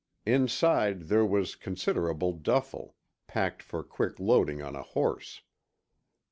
Inside there was considerable duffle, packed for quick loading on a horse.